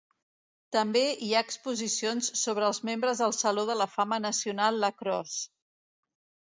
També hi ha exposicions sobre els membres del Saló de la Fama Nacional Lacrosse.